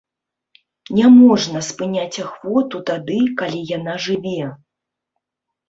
Не можна спыняць ахвоту тады, калі яна жыве.